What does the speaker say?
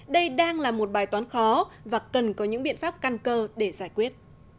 đây đang là một bài toán khó và cần có những biện pháp căn cơ để giải quyết